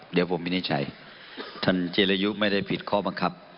เดี๋ยวผมวินิจฉัยท่านจิรยุไม่ได้ผิดข้อบังคับ